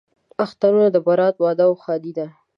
اخترونه دي برات، واده، ښادي ده